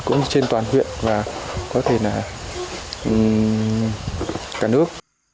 cũng như trên toàn huyện và có thể là cả nước